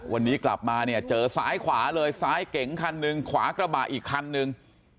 วันนี้กลับมาเนี่ยเจอซ้ายขวาเลยซ้ายเก๋งคันหนึ่งขวากระบะอีกคันนึง